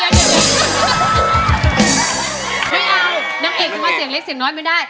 ไม่เอานางเอกที่ว่าเสียงเล็กเสียงน้อยไม่ได้